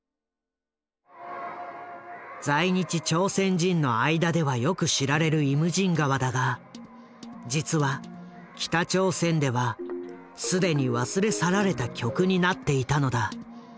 在日朝鮮人の間ではよく知られる「イムジン河」だが実は北朝鮮ではすでに忘れ去られた曲になっていたのだ。